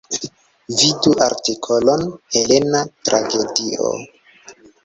Vidu artikolon Helena tragedio.